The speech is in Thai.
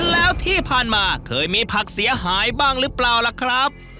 แล้วที่ผ่านมาเคยมีผักเสียหายบ้างหรือเปล่าล่ะครับ